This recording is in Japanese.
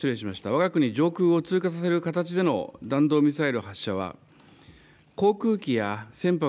わが国上空を通過させる形での弾道ミサイル発射は、航空機や船舶